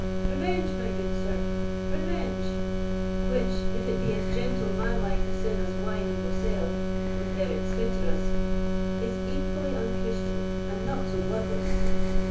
"Revenge, my good sir—revenge; which, if it be as gentle manlike a sin as wine and wassail, with their et cæteras, is equally unchristian, and not so bloodless.